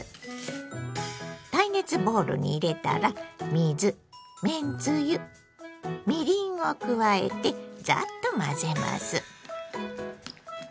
耐熱ボウルに入れたら水めんつゆみりんを加えてザッと混ぜます。